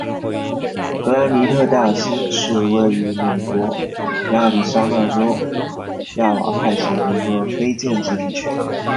格兰尼特戴尔斯是位于美国亚利桑那州亚瓦派县的一个非建制地区。